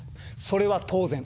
それは当然。